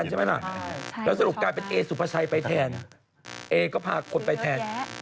แล้วสรุปก็กลายเป็นเอซุภาชัยจะผ่าคนไปแทน